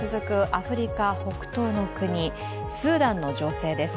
アフリカ北東の国、スーダンの情勢です。